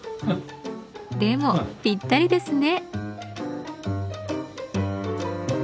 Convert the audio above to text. でもぴったりですね。